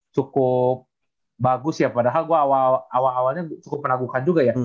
cukup bagus ya padahal gue awal awalnya cukup menaguhkan juga ya